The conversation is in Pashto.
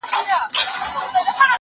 هغه څوک چي زدکړه کوي پوهه زياتوي!.